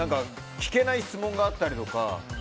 聞けない質問があったりとか。